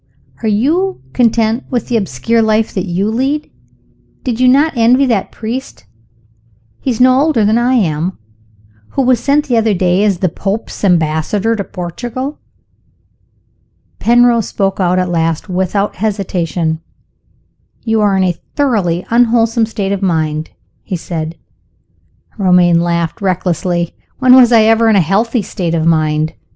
Are you content with the obscure life that you lead? Did you not envy that priest (he is no older than I am) who was sent the other day as the Pope's ambassador to Portugal?" Penrose spoke out at last without hesitation. "You are in a thoroughly unwholesome state of mind," he said. Romayne laughed recklessly. "When was I ever in a healthy state of mind?"